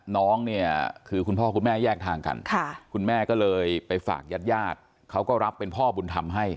น้องเนี่ยคือคุณพ่อคุณแม่แยกทางกันคุณแม่ก็เลยไปฝากญาติญาติเขาก็รับเป็นพ่อบุญธรรมให้